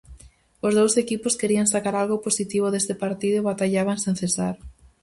Os dous equipos querían sacar algo positivo deste partido e batallaban sen cesar.